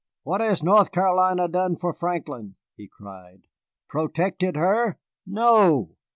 "What has North Carolina done for Franklin?" he cried. "Protected her? No.